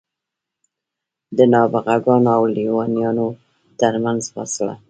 د نابغه ګانو او لېونیانو ترمنځ فاصله.